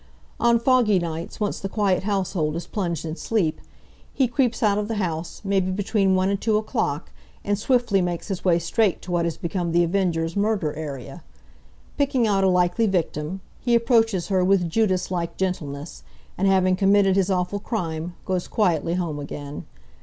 On foggy nights, once the quiet household is plunged in sleep, he creeps out of the house, maybe between one and two o'clock, and swiftly makes his way straight to what has become The Avenger's murder area. Picking out a likely victim, he approaches her with Judas like gentleness, and having committed his awful crime, goes quietly home again.